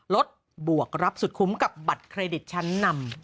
ลดบวกรับสุดคุ้มกับบัตรเครดิตชั้นนำ